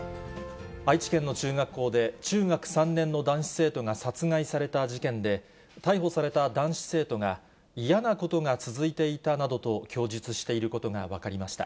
愛知県の中学校で、中学３年の男子生徒が殺害された事件で、逮捕された男子生徒が、嫌なことが続いていたなどと供述していることが分かりました。